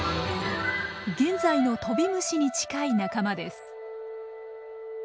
現在のトビムシに近い仲間です。